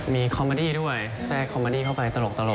มีคอมเมอดี้ด้วยแทรกคอมเมอดี้เข้าไปตลก